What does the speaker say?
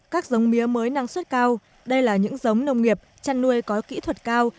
các giống mía mới năng suất cao đây là những giống nông nghiệp chăn nuôi có kỹ thuật cao